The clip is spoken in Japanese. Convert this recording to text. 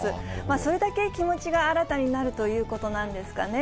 それだけ気持ちが新たになるということなんですかね。